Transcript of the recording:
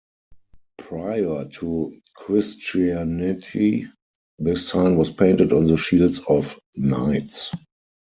Prior to Christianity, this sign was painted on the shields of knights.